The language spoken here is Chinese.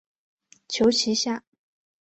求其下